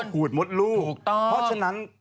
ขูดมดลูกเพราะฉะนั้น